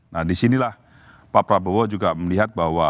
nah disinilah pak prabowo juga melihat bahwa